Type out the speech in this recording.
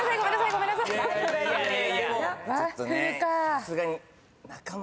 さすがに。